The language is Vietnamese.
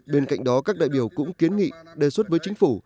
bên cạnh đó các đại biểu cũng kiến nghị đề xuất với chính phủ